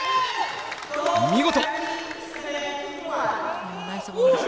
見事！